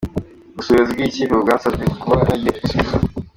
Gusa ubuyobozi bw’iyi kipe bwansabye kuba ntegereje igisubizo.